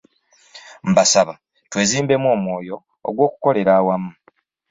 Mbasaba twezimbemu omwoyo gw'okukolera awamu.